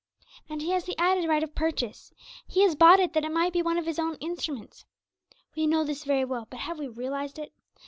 And He has the added right of purchase He has bought it that it might be one of His own instruments. We know this very well, but have we realized it?